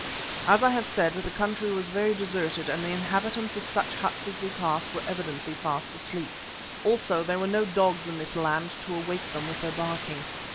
As I have said, the country was very deserted and the inhabitants of such huts as we passed were evidently fast asleep. Also there were no dogs in this land to awake them with their barking.